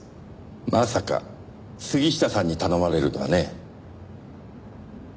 まさか杉下さんに頼まれるとはね。